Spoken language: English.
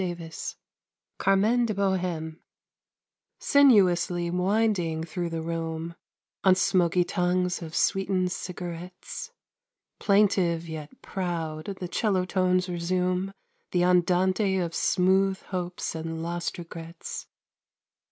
Y Z Carmen de Boheme SINUOUSLY winding through the room On smokey tongues of sweetened cigarettes, Plaintive yet proud the cello tones resume The andante of smooth hopes and lost regrets.